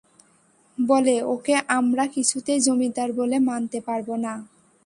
বলে, ওকে আমরা কিছুতেই জমিদার বলে মানতে পারব না।